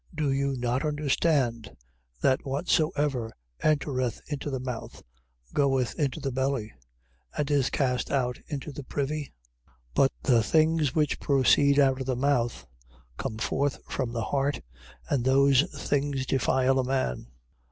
15:17. Do you not understand, that whatsoever entereth into the mouth, goeth into the belly, and is cast out into the privy? 15:18. But the things which proceed out of the mouth, come forth from the heart, and those things defile a man.